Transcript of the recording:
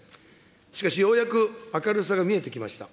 しかし、ようやく明るさが見えてきました。